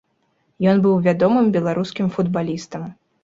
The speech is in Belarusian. Ён быў вядомым беларускім футбалістам.